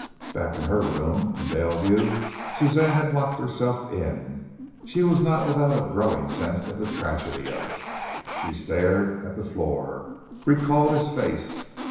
Back in her room in Daleview Suzanne had locked herself in. She was not without a growing sense of the tragedy of it. She stared at the floor, recalled his face.